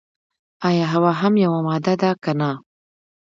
ایا هوا هم یوه ماده ده که نه.